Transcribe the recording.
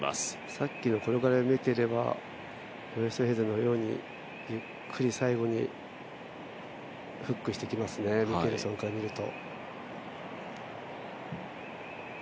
さっきの転がりを見ていれば、ウェストヘーゼンのようにゆっくり最後にフックしてきますね、ミケルソンから見ると。